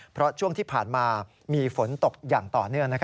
เพราะช่วงที่ผ่านมามีฝนตกอย่างต่อเนื่อง